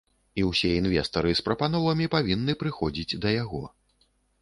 І ўсе інвестары з прапановамі павінны прыходзіць да яго.